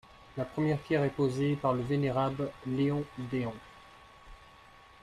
La première pierre est posée par le vénérable Léon Dehon.